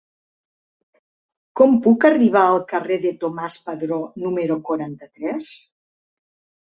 Com puc arribar al carrer de Tomàs Padró número quaranta-tres?